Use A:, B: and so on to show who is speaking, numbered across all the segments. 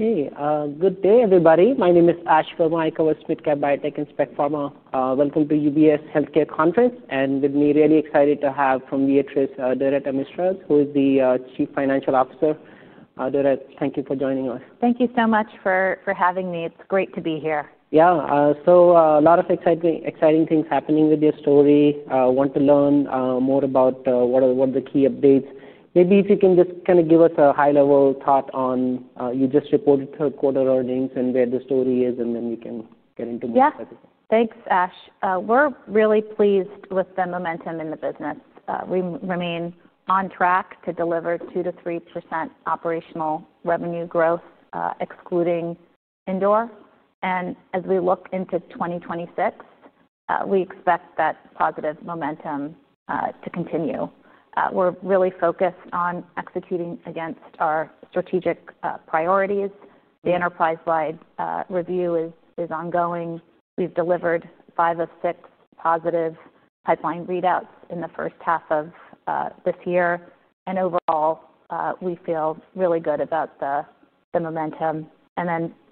A: Hey, good day everybody. My name is Ash Michael with SmithCare Biotech Inspect Pharma. Welcome to UBS Healthcare Conference, and with me, really excited to have from Viatris, Doretta Mistras, who is the Chief Financial Officer. Doretta, thank you for joining us.
B: Thank you so much for having me. It's great to be here.
A: Yeah, so, a lot of exciting things happening with your story. I want to learn more about what are the key updates. Maybe if you can just kinda give us a high-level thought on, you just reported third-quarter earnings and where the story is, and then we can get into more.
B: Yeah, thanks, Ash. We're really pleased with the momentum in the business. We remain on track to deliver 2-3% operational revenue growth, excluding Indor. As we look into 2026, we expect that positive momentum to continue. We're really focused on executing against our strategic priorities. The enterprise-wide review is ongoing. We've delivered five of six positive pipeline readouts in the first half of this year. Overall, we feel really good about the momentum.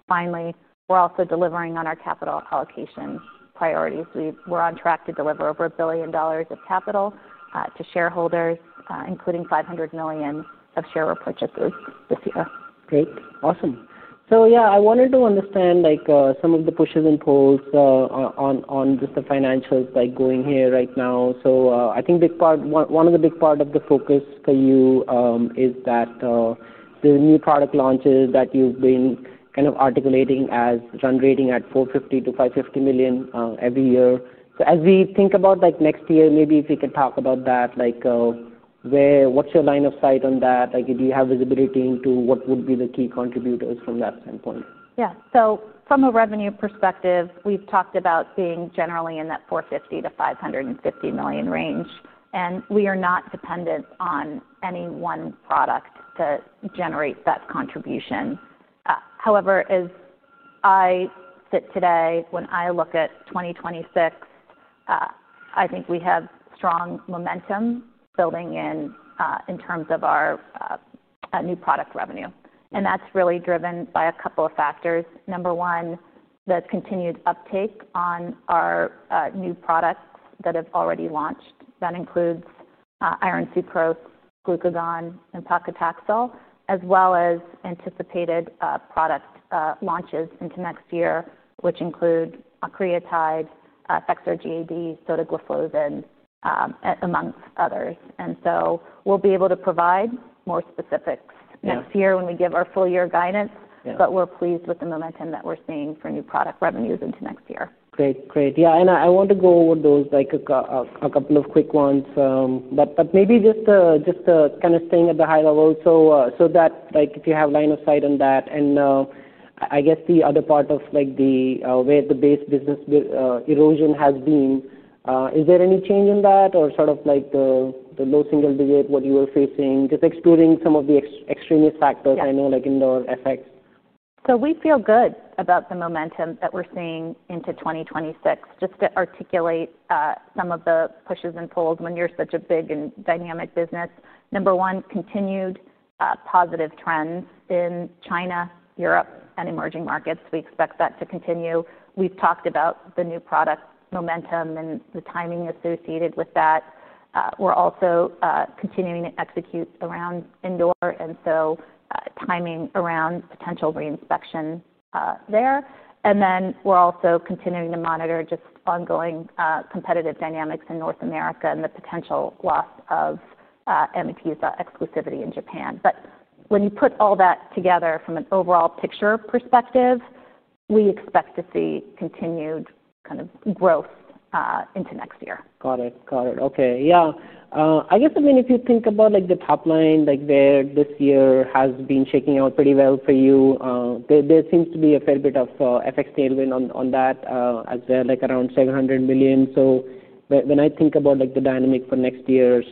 B: Finally, we're also delivering on our capital allocation priorities. We're on track to deliver over $1 billion of capital to shareholders, including $500 million of share repurchases this year.
A: Great. Awesome. Yeah, I wanted to understand, like, some of the pushes and pulls on just the financials, like, going here right now. I think one of the big parts of the focus for you is that the new product launches that you've been kind of articulating as run rating at $450 million-$550 million every year. As we think about next year, maybe if we could talk about that, like, where, what's your line of sight on that? Do you have visibility into what would be the key contributors from that standpoint?
B: Yeah. From a revenue perspective, we've talked about being generally in that $450 million-$550 million range, and we are not dependent on any one product to generate that contribution. However, as I sit today, when I look at 2026, I think we have strong momentum building in, in terms of our new product revenue. That's really driven by a couple of factors. Number one, the continued uptake on our new products that have already launched. That includes iron sucrose, glucagon, and paclitaxel, as well as anticipated product launches into next year, which include liraglutide, Effexor GAD, sotagliflozin, amongst others. We will be able to provide more specifics next year when we give our full-year guidance.
A: Yeah.
B: We're pleased with the momentum that we're seeing for new product revenues into next year.
A: Great, great. Yeah. I want to go over those, like, a couple of quick ones, but maybe just, kinda staying at the high level. If you have line of sight on that, and I guess the other part of, like, where the base business erosion has been, is there any change in that or sort of, like, the low single digit, what you were facing, just excluding some of the extreme factors?
B: Yeah.
A: I know, like, Indor effects.
B: We feel good about the momentum that we're seeing into 2026, just to articulate, some of the pushes and pulls when you're such a big and dynamic business. Number one, continued, positive trends in China, Europe, and emerging markets. We expect that to continue. We've talked about the new product momentum and the timing associated with that. We're also, continuing to execute around Indor, and so, timing around potential reinspection, there. We're also continuing to monitor just ongoing, competitive dynamics in North America and the potential loss of M&P exclusivity in Japan. When you put all that together from an overall picture perspective, we expect to see continued kind of growth, into next year.
A: Got it. Got it. Okay. Yeah. I guess, I mean, if you think about, like, the top line, like, where this year has been shaking out pretty well for you, there seems to be a fair bit of FX tailwind on that as well, like, around $700 million. So when I think about, like, the dynamic for next year,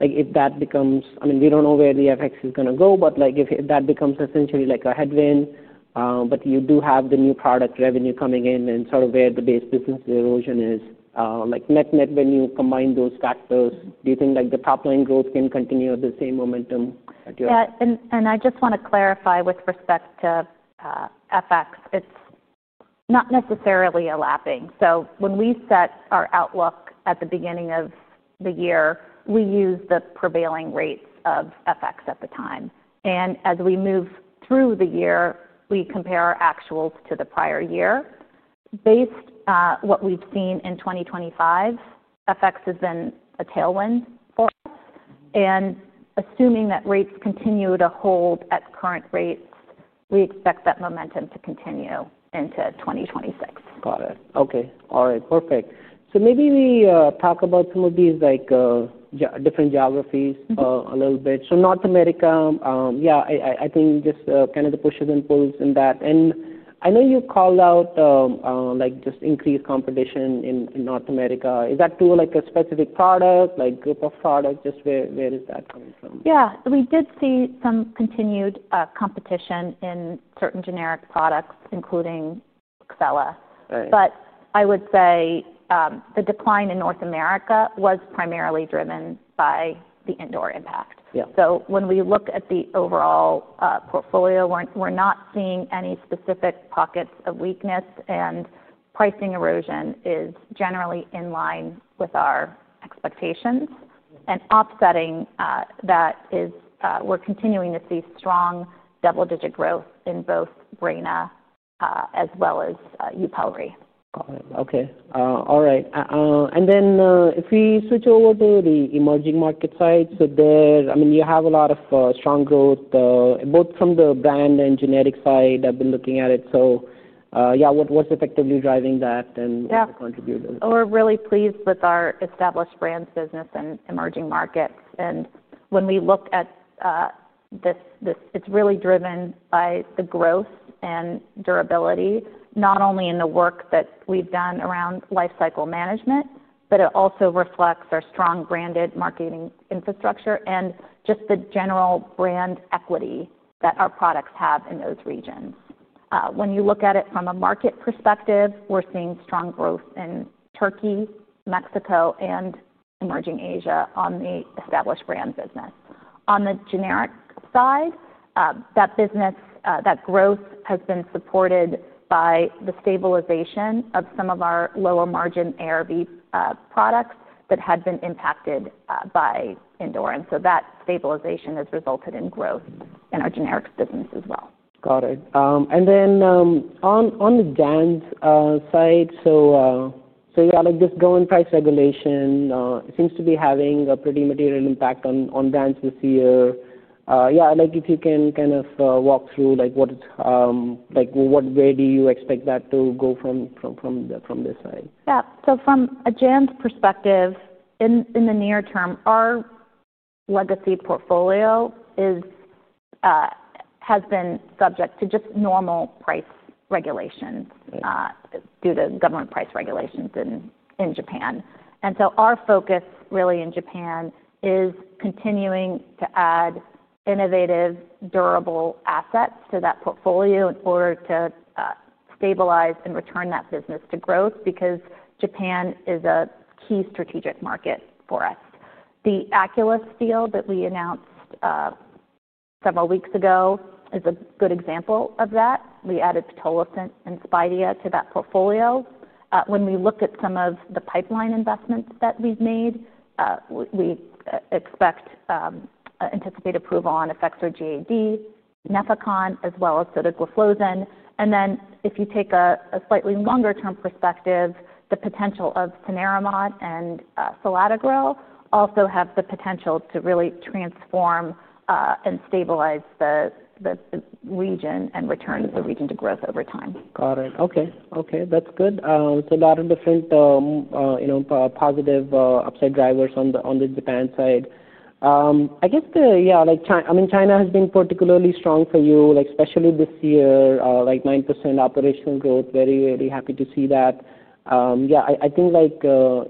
A: if that becomes—I mean, we do not know where the FX is gonna go, but if that becomes essentially, like, a headwind, but you do have the new product revenue coming in and sort of where the base business erosion is, like, net, net when you combine those factors, do you think, like, the top line growth can continue at the same momentum that you are?
B: Yeah. And I just wanna clarify with respect to FX, it's not necessarily a lapping. When we set our outlook at the beginning of the year, we use the prevailing rates of FX at the time. As we move through the year, we compare our actuals to the prior year. Based on what we've seen in 2025, FX has been a tailwind for us. Assuming that rates continue to hold at current rates, we expect that momentum to continue into 2026.
A: Got it. Okay. All right. Perfect. So maybe we talk about some of these, like, different geographies.
B: Mm-hmm.
A: A little bit. North America, yeah, I think just kind of the pushes and pulls in that. I know you called out, like, just increased competition in North America. Is that to, like, a specific product, like, group of products? Just where is that coming from?
B: Yeah. We did see some continued competition in certain generic products, including XULANE LO.
A: Right.
B: I would say, the decline in North America was primarily driven by the Indor impact.
A: Yeah.
B: When we look at the overall portfolio, we're not seeing any specific pockets of weakness, and pricing erosion is generally in line with our expectations. Offsetting that is, we're continuing to see strong double-digit growth in both Breyna, as well as Uptravi.
A: Got it. Okay. All right. And then, if we switch over to the emerging market side, so there, I mean, you have a lot of strong growth, both from the brand and generic side. I've been looking at it. So, yeah, what, what's effectively driving that and what's the contributors?
B: Yeah. We're really pleased with our established brand business in emerging markets. When we look at this, it's really driven by the growth and durability, not only in the work that we've done around lifecycle management, but it also reflects our strong branded marketing infrastructure and just the general brand equity that our products have in those regions. When you look at it from a market perspective, we're seeing strong growth in Turkey, Mexico, and emerging Asia on the established brand business. On the generic side, that growth has been supported by the stabilization of some of our lower-margin ARV products that had been impacted by Indor. That stabilization has resulted in growth in our generics business as well.
A: Got it. And then, on the brands side, so yeah, like, this growing price regulation seems to be having a pretty material impact on brands this year. Yeah, like, if you can kind of walk through, like, what is, like, what way do you expect that to go from this side?
B: Yeah. From a Japan's perspective, in the near term, our legacy portfolio has been subject to just normal price regulations.
A: Right.
B: Due to government price regulations in Japan. Our focus really in Japan is continuing to add innovative, durable assets to that portfolio in order to stabilize and return that business to growth because Japan is a key strategic market for us. The Aculis deal that we announced several weeks ago is a good example of that. We added pitolisant and Spidea to that portfolio. When we look at some of the pipeline investments that we've made, we expect, anticipate approval on Effexor GAD, Nefopam, as well as solriamfetol. If you take a slightly longer-term perspective, the potential of cenerimod and selatogrel also have the potential to really transform and stabilize the region and return the region to growth over time.
A: Got it. Okay. That's good. So a lot of different, you know, positive, upside drivers on the Japan side. I guess the, yeah, like, China has been particularly strong for you, like, especially this year, like, 9% operational growth. Very, very happy to see that. Yeah, I think, like,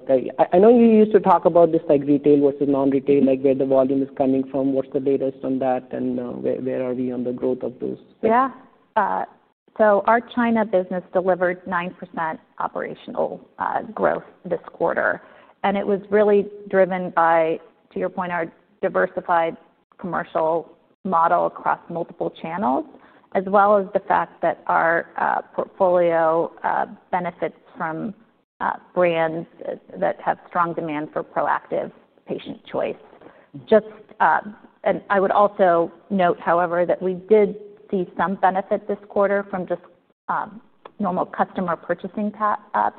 A: like, I know you used to talk about this, like, retail versus non-retail, like, where the volume is coming from. What's the latest on that and where are we on the growth of those?
B: Yeah. Our China business delivered 9% operational growth this quarter. It was really driven by, to your point, our diversified commercial model across multiple channels, as well as the fact that our portfolio benefits from brands that have strong demand for proactive patient choice.
A: Mm-hmm.
B: Just, and I would also note, however, that we did see some benefit this quarter from just normal customer purchasing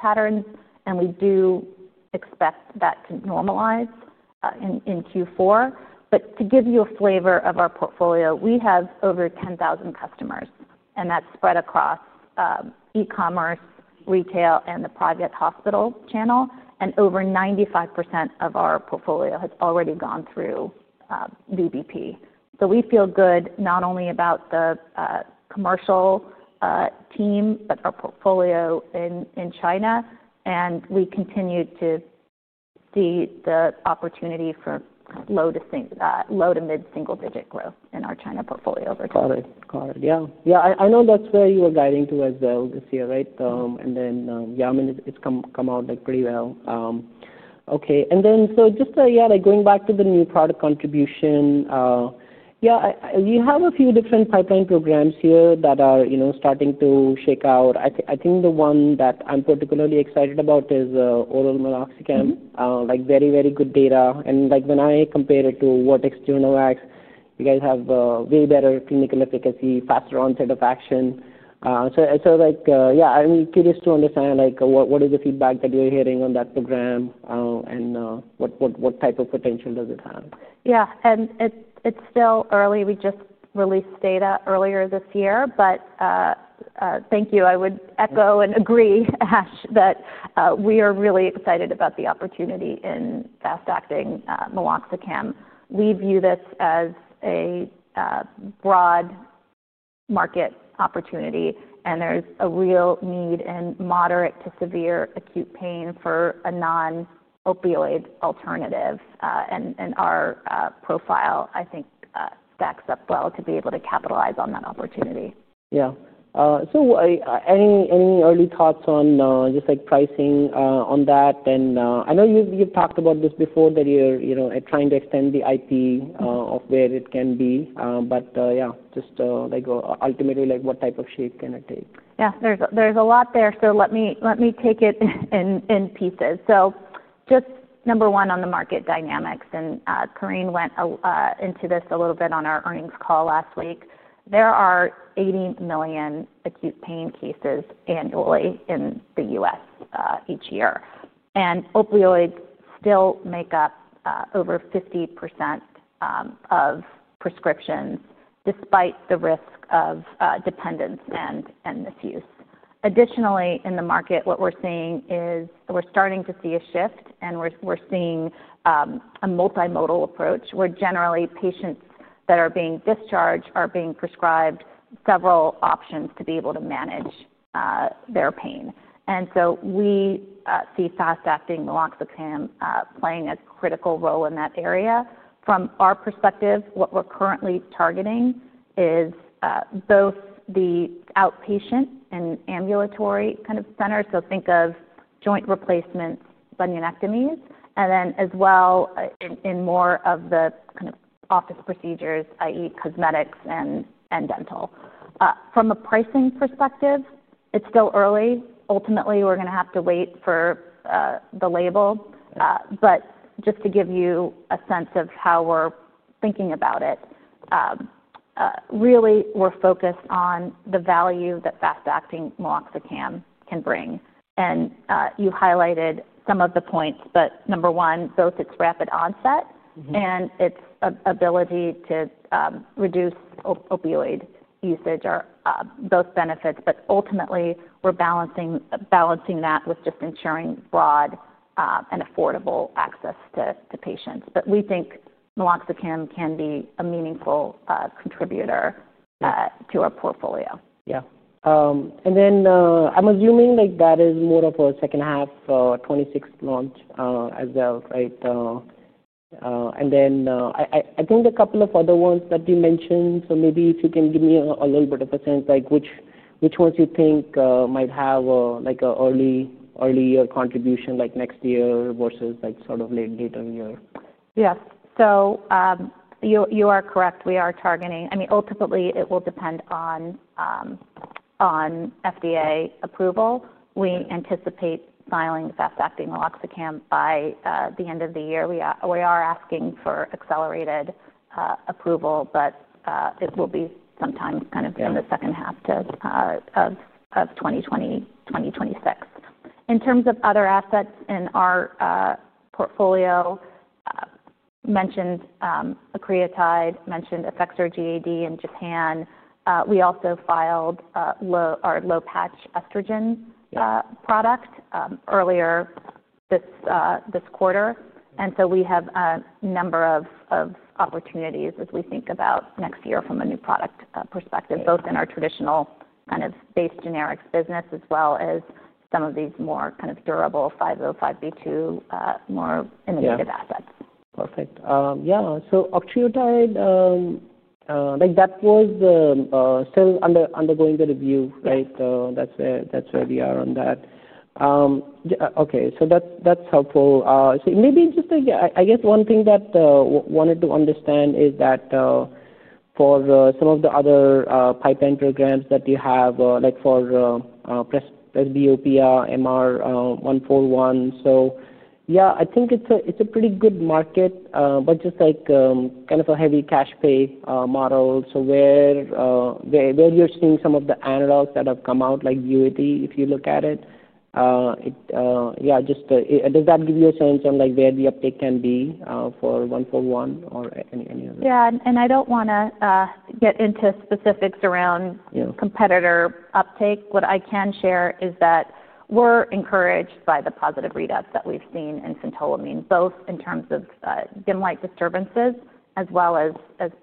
B: patterns, and we do expect that to normalize in Q4. To give you a flavor of our portfolio, we have over 10,000 customers, and that is spread across e-commerce, retail, and the private hospital channel. Over 95% of our portfolio has already gone through VBP. We feel good not only about the commercial team, but our portfolio in China. We continue to see the opportunity for low to mid-single-digit growth in our China portfolio over time.
A: Got it. Got it. Yeah. Yeah. I know that's where you were guiding to as well this year, right? And then, yeah, I mean, it's come out, like, pretty well. Okay. And then just, yeah, like, going back to the new product contribution, yeah, I, I, you have a few different pipeline programs here that are, you know, starting to shake out. I think the one that I'm particularly excited about is oral meloxicam.
B: Mm-hmm.
A: Like, very, very good data. And, like, when I compare it to what external acts, you guys have way better clinical efficacy, faster onset of action. So, like, yeah, I'm curious to understand, like, what is the feedback that you're hearing on that program, and what type of potential does it have?
B: Yeah. And it's still early. We just released data earlier this year, but, thank you. I would echo and agree, Ash, that we are really excited about the opportunity in fast-acting meloxicam. We view this as a broad market opportunity, and there's a real need in moderate to severe acute pain for a non-opioid alternative. And our profile, I think, stacks up well to be able to capitalize on that opportunity.
A: Yeah. So I, any, any early thoughts on, just, like, pricing on that? And I know you've, you've talked about this before, that you're, you know, trying to extend the IP, of where it can be. But, yeah, just, like, ultimately, like, what type of shape can it take?
B: Yeah. There's a lot there. Let me take it in pieces. Just number one, on the market dynamics, Corinne went into this a little bit on our earnings call last week. There are 80 million acute pain cases annually in the U.S. each year. Opioids still make up over 50% of prescriptions despite the risk of dependence and misuse. Additionally, in the market, what we're seeing is we're starting to see a shift, and we're seeing a multimodal approach where generally patients that are being discharged are being prescribed several options to be able to manage their pain. We see fast-acting meloxicam playing a critical role in that area. From our perspective, what we're currently targeting is both the outpatient and ambulatory kind of centers. Think of joint replacements, bunionectomies, and then as well, in more of the kind of office procedures, i.e., cosmetics and dental. From a pricing perspective, it's still early. Ultimately, we're gonna have to wait for the label.
A: Mm-hmm.
B: Just to give you a sense of how we're thinking about it, really, we're focused on the value that fast-acting meloxicam can bring. You highlighted some of the points, but number one, both its rapid onset.
A: Mm-hmm.
B: Its ability to reduce opioid usage or both benefits. Ultimately, we're balancing that with just ensuring broad and affordable access to patients. We think meloxicam can be a meaningful contributor to our portfolio.
A: Yeah. And then, I'm assuming, like, that is more of a second half 2026 launch as well, right? And then, I think a couple of other ones that you mentioned. So maybe if you can give me a little bit of a sense, like, which ones you think might have a, like, an early, early year contribution, like, next year versus, like, sort of late, later year?
B: Yes. You are correct. We are targeting, I mean, ultimately, it will depend on FDA approval. We anticipate filing fast-acting meloxicam by the end of the year. We are asking for accelerated approval, but it will be sometime kind of in the second half of 2026. In terms of other assets in our portfolio, mentioned Accretide, mentioned Effexor GAD in Japan. We also filed low or low-patch estrogen.
A: Yeah.
B: product earlier this quarter. We have a number of opportunities as we think about next year from a new product perspective.
A: Mm-hmm.
B: Both in our traditional kind of base generics business as well as some of these more kind of durable 505(b)(2), more innovative assets.
A: Yeah. Perfect. Yeah. So Accretide, like, that was still under-undergoing the review, right?
B: Mm-hmm.
A: That's where we are on that. Okay. That's helpful. Maybe just like, I guess one thing that I wanted to understand is that for some of the other pipeline programs that you have, like for presbyopia, MR-141. I think it's a pretty good market, but just kind of a heavy cash pay model. Where you're seeing some of the analogs that have come out, like UAD, if you look at it, does that give you a sense on where the uptake can be for 141 or any other?
B: Yeah. I don't wanna get into specifics around.
A: Yeah.
B: Competitor uptake. What I can share is that we're encouraged by the positive readouts that we've seen in phentolamine, both in terms of dim light disturbances as well as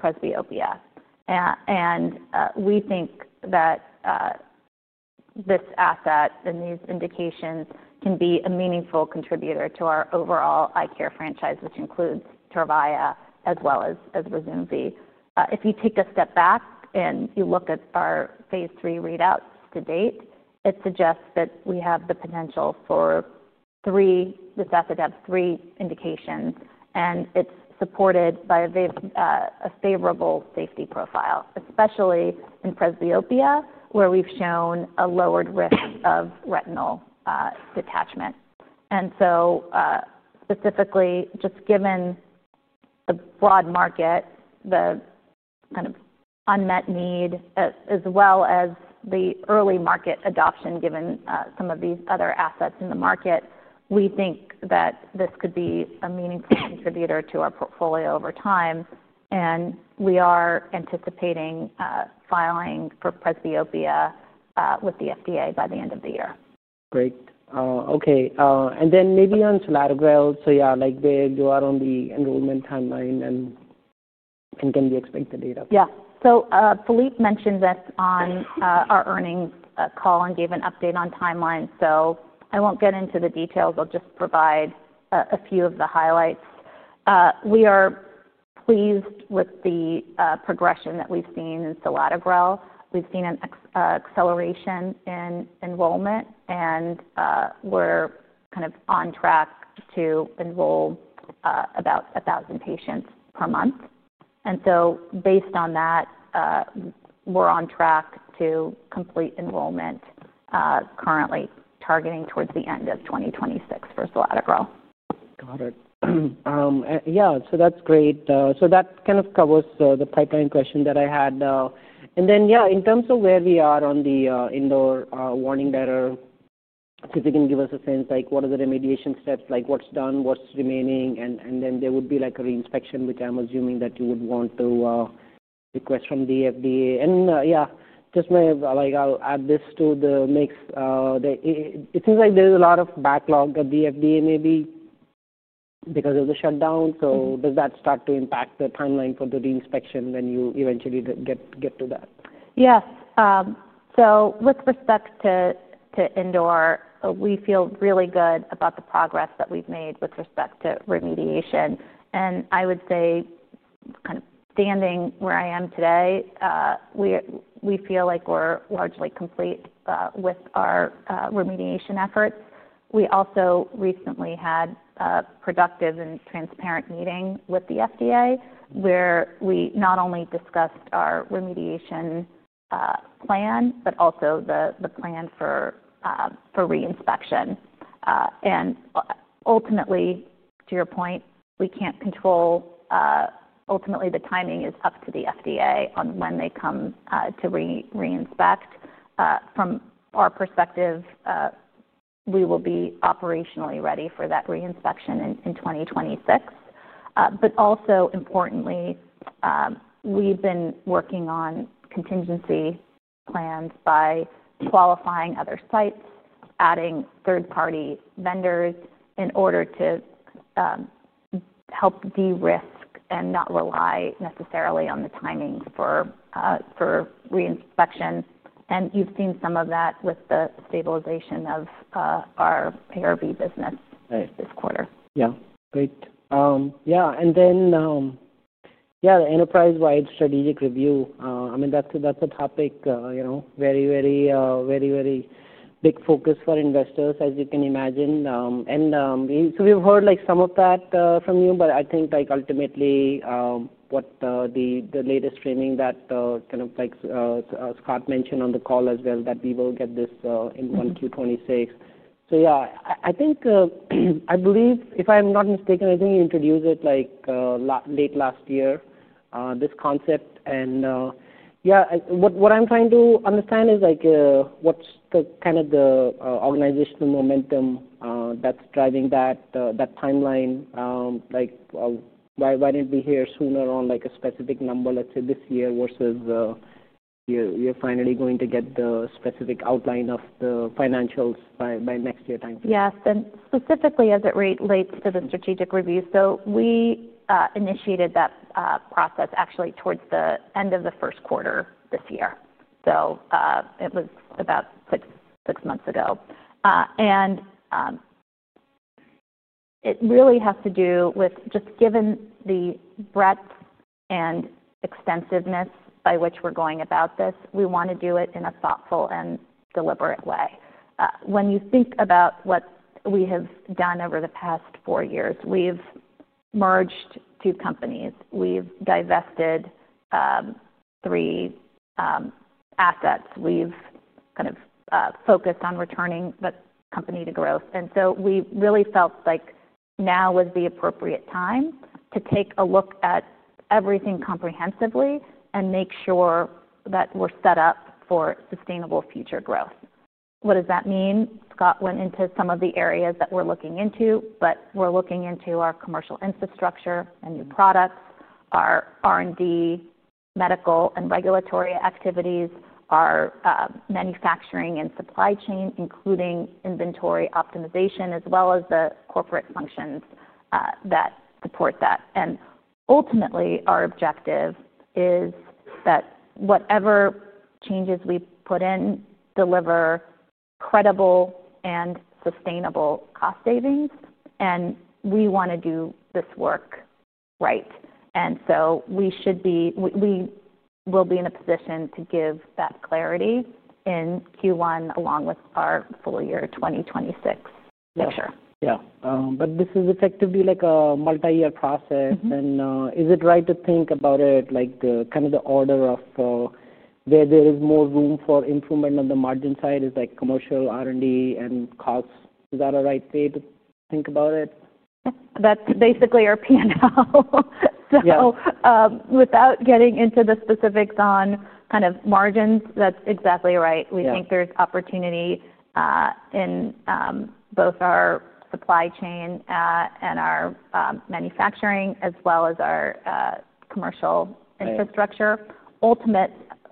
B: presbyopia. And we think that this asset and these indications can be a meaningful contributor to our overall eye care franchise, which includes Trevia as well as Ryzumvi. If you take a step back and you look at our phase three readouts to date, it suggests that we have the potential for three, this asset has three indications, and it's supported by a favorable safety profile, especially in presbyopia, where we've shown a lowered risk of retinal detachment. Specifically, just given the broad market, the kind of unmet need, as well as the early market adoption given some of these other assets in the market, we think that this could be a meaningful contributor to our portfolio over time. We are anticipating filing for presbyopia with the FDA by the end of the year.
A: Great. Okay. And then maybe on Salatogrel. So yeah, like, where you are on the enrollment timeline and, and can we expect the data?
B: Yeah. Philippe mentioned this on our earnings call and gave an update on timeline. I will not get into the details. I will just provide a few of the highlights. We are pleased with the progression that we have seen in Salatogrel. We have seen an acceleration in enrollment, and we are kind of on track to enroll about 1,000 patients per month. Based on that, we are on track to complete enrollment, currently targeting towards the end of 2026 for Salatogrel.
A: Got it. Yeah. So that's great. So that kind of covers the pipeline question that I had. And then, yeah, in terms of where we are on the Indor warning letter, if you can give us a sense, like, what are the remediation steps, like, what's done, what's remaining, and then there would be, like, a reinspection, which I'm assuming that you would want to request from the FDA. And, yeah, just my, like, I'll add this to the mix. It seems like there's a lot of backlog at the FDA maybe because of the shutdown. Does that start to impact the timeline for the reinspection when you eventually get to that?
B: Yes. With respect to Indor, we feel really good about the progress that we've made with respect to remediation. I would say, kind of standing where I am today, we feel like we're largely complete with our remediation efforts. We also recently had a productive and transparent meeting with the FDA where we not only discussed our remediation plan, but also the plan for reinspection. Ultimately, to your point, we can't control—ultimately the timing is up to the FDA on when they come to re-reinspect. From our perspective, we will be operationally ready for that reinspection in 2026. Also importantly, we've been working on contingency plans by qualifying other sites, adding third-party vendors in order to help de-risk and not rely necessarily on the timing for reinspection. You have seen some of that with the stabilization of our ARV business.
A: Right.
B: This quarter.
A: Yeah. Great. Yeah. And then, yeah, the enterprise-wide strategic review, I mean, that's a topic, you know, very, very, very big focus for investors, as you can imagine. And, we, so we've heard, like, some of that from you, but I think, like, ultimately, what, the latest training that, kind of like, Scott mentioned on the call as well, that we will get this in 1Q 2026. Yeah, I think, I believe, if I'm not mistaken, I think you introduced it, like, late last year, this concept. And, yeah, what I'm trying to understand is, like, what's the kind of the organizational momentum that's driving that timeline. Like, why didn't we hear sooner on, like, a specific number, let's say, this year versus, you're finally going to get the specific outline of the financials by next year time frame?
B: Yes. And specifically, as it relates to the strategic review, we initiated that process actually towards the end of the first quarter this year. It was about six months ago, and it really has to do with just given the breadth and extensiveness by which we're going about this, we want to do it in a thoughtful and deliberate way. When you think about what we have done over the past four years, we've merged two companies. We've divested three assets. We've kind of focused on returning the company to growth. We really felt like now was the appropriate time to take a look at everything comprehensively and make sure that we're set up for sustainable future growth. What does that mean? Scott went into some of the areas that we're looking into, but we're looking into our commercial infrastructure and new products, our R&D, medical, and regulatory activities, our manufacturing and supply chain, including inventory optimization, as well as the corporate functions that support that. Ultimately, our objective is that whatever changes we put in deliver credible and sustainable cost savings, and we wanna do this work right. We will be in a position to give that clarity in Q1 along with our full year 2026 picture.
A: Yeah. Yeah, but this is effectively like a multi-year process.
B: Mm-hmm.
A: Is it right to think about it, like, the kind of the order of, where there is more room for improvement on the margin side is like commercial, R&D, and costs? Is that a right way to think about it?
B: That's basically our P&L.
A: Yeah.
B: Without getting into the specifics on kind of margins, that's exactly right.
A: Yeah.
B: We think there's opportunity in both our supply chain and our manufacturing as well as our commercial infrastructure.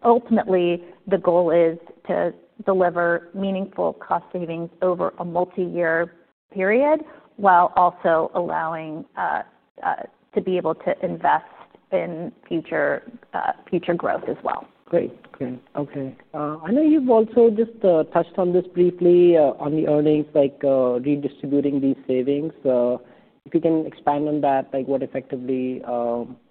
B: Ultimately, the goal is to deliver meaningful cost savings over a multi-year period while also allowing to be able to invest in future growth as well.
A: Great. Okay. Okay. I know you've also just touched on this briefly, on the earnings, like, redistributing these savings. If you can expand on that, like, what effectively,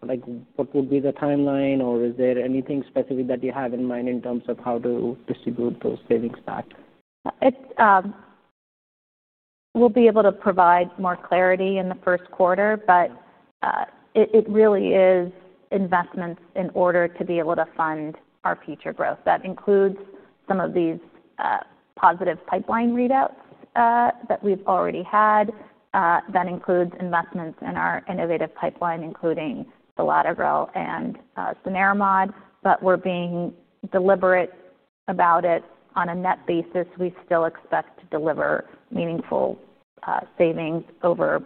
A: like, what would be the timeline, or is there anything specific that you have in mind in terms of how to distribute those savings back?
B: We'll be able to provide more clarity in the first quarter, but it really is investments in order to be able to fund our future growth. That includes some of these positive pipeline readouts that we've already had. That includes investments in our innovative pipeline, including Selatogrel and Cenerimod. We're being deliberate about it on a net basis. We still expect to deliver meaningful savings over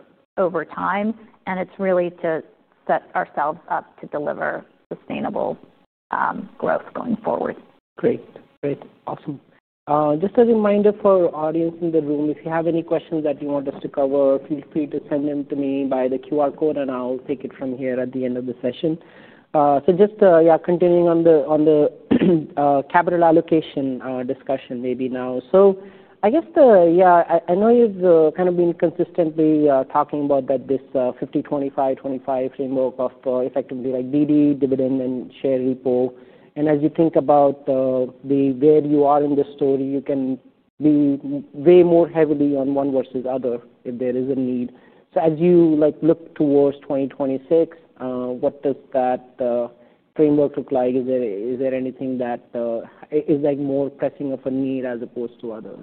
B: time. It is really to set ourselves up to deliver sustainable growth going forward.
A: Great. Great. Awesome. Just a reminder for our audience in the room, if you have any questions that you want us to cover, feel free to send them to me by the QR code, and I'll take it from here at the end of the session. So just, yeah, continuing on the capital allocation discussion maybe now. I guess, yeah, I know you've kind of been consistently talking about this 50/25/25 framework of, effectively like BD, dividend, and share repo. As you think about where you are in the story, you can be way more heavily on one versus the other if there is a need. As you look towards 2026, what does that framework look like? Is there anything that is more pressing of a need as opposed to the other?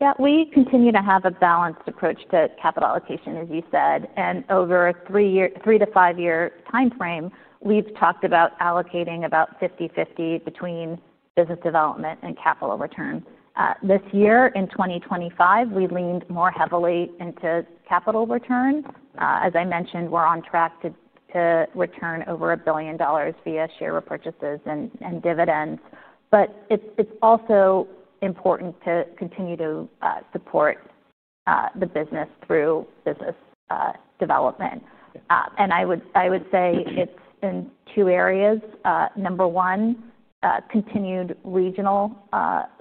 B: Yeah. We continue to have a balanced approach to capital allocation, as you said. Over a three-year, three to five-year time frame, we've talked about allocating about 50/50 between business development and capital return. This year in 2025, we leaned more heavily into capital return. As I mentioned, we're on track to return over $1 billion via share repurchases and dividends. It's also important to continue to support the business through business development. I would say it's in two areas. Number one, continued regional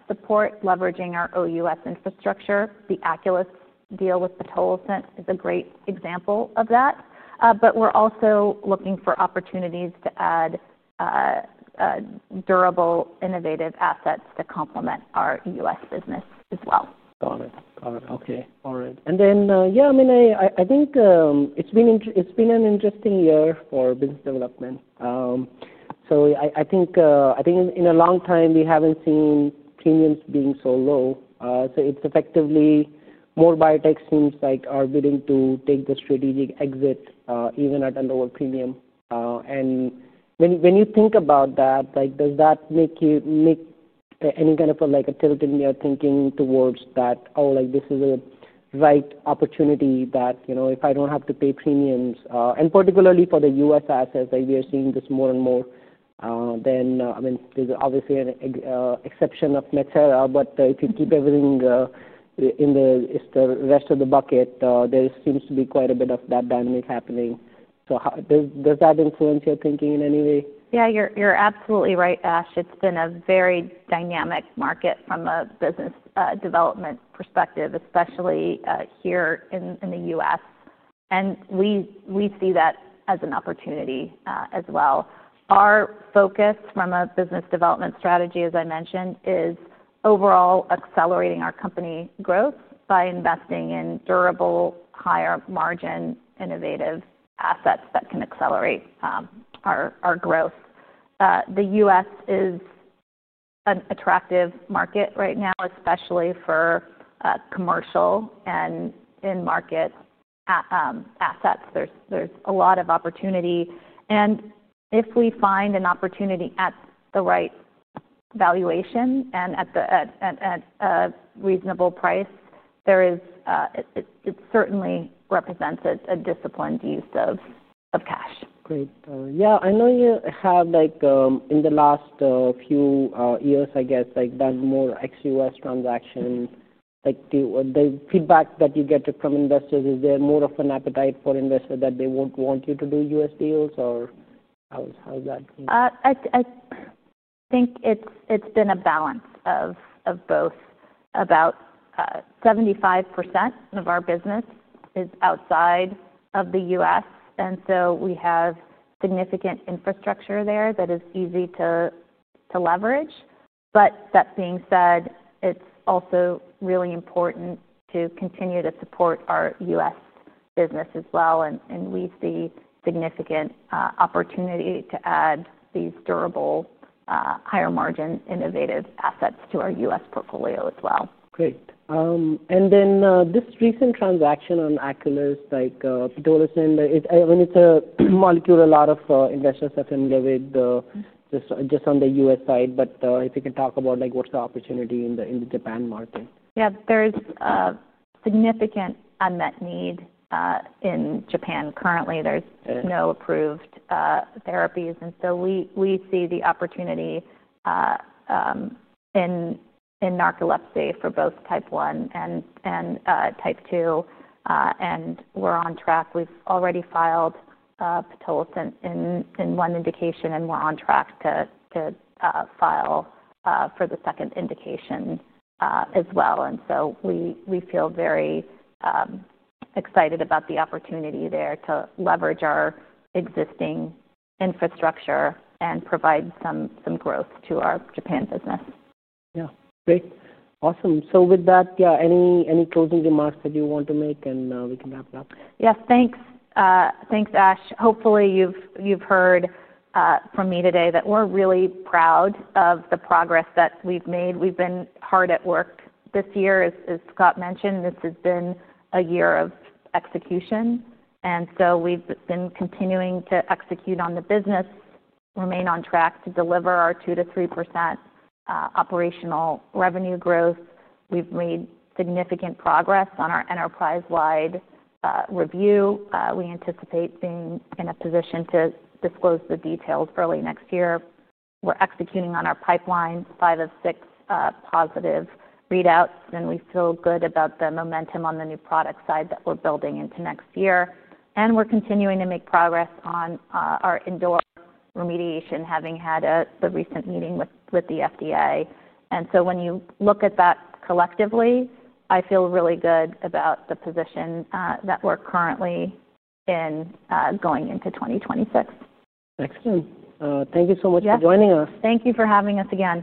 B: support leveraging our OUS infrastructure. The Aculis deal with pitolisant is a great example of that. We're also looking for opportunities to add durable, innovative assets to complement our US business as well.
A: Got it. Okay. All right. Yeah, I mean, I think it's been an interesting year for business development. I think in a long time, we haven't seen premiums being so low. It's effectively more biotech teams are willing to take the strategic exit, even at a lower premium. When you think about that, does that make you make any kind of a tilt in your thinking towards that, "Oh, this is a right opportunity that, you know, if I don't have to pay premiums?" Particularly for the US assets, we are seeing this more and more. I mean, there's obviously an exception of MedSerra, but if you keep everything in the rest of the bucket, there seems to be quite a bit of that dynamic happening. How does that influence your thinking in any way?
B: Yeah. You're absolutely right, Ash. It's been a very dynamic market from a business development perspective, especially here in the U.S. We see that as an opportunity as well. Our focus from a business development strategy, as I mentioned, is overall accelerating our company growth by investing in durable, higher-margin innovative assets that can accelerate our growth. The U.S. is an attractive market right now, especially for commercial and in-market assets. There's a lot of opportunity. If we find an opportunity at the right valuation and at a reasonable price, it certainly represents a disciplined use of cash.
A: Great. Yeah. I know you have, like, in the last few years, I guess, like, done more ex-U.S. transactions. Like, do the feedback that you get from investors, is there more of an appetite for investors that they won't want you to do U.S. deals, or how is, how is that?
B: I think it's been a balance of both. About 75% of our business is outside of the U.S., and so we have significant infrastructure there that is easy to leverage. That being said, it's also really important to continue to support our U.S. business as well. We see significant opportunity to add these durable, higher-margin innovative assets to our U.S. portfolio as well.
A: Great. And then, this recent transaction on Aculis, like, pitolisant, is, I mean, it's a molecule a lot of investors have been livid, just, just on the U.S. side. But, if you can talk about, like, what's the opportunity in the, in the Japan market?
B: Yeah. There's significant unmet need in Japan currently. There's.
A: Right.
B: No approved therapies. We see the opportunity in narcolepsy for both type 1 and type 2. We're on track. We've already filed pitolisant in one indication, and we're on track to file for the second indication as well. We feel very excited about the opportunity there to leverage our existing infrastructure and provide some growth to our Japan business.
A: Yeah. Great. Awesome. With that, yeah, any closing remarks that you want to make, and we can wrap it up?
B: Yes. Thanks, Ash. Hopefully, you've heard from me today that we're really proud of the progress that we've made. We've been hard at work this year, as Scott mentioned. This has been a year of execution. We've been continuing to execute on the business, remain on track to deliver our 2-3% operational revenue growth. We've made significant progress on our enterprise-wide review. We anticipate being in a position to disclose the details early next year. We're executing on our pipeline, five of six positive readouts. We feel good about the momentum on the new product side that we're building into next year. We're continuing to make progress on our Indor remediation, having had the recent meeting with the FDA. When you look at that collectively, I feel really good about the position that we're currently in, going into 2026.
A: Excellent. Thank you so much for joining us.
B: Yeah. Thank you for having us again.